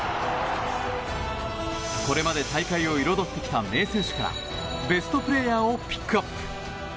これまで大会を彩ってきた名選手からベストプレーヤーをピックアップ。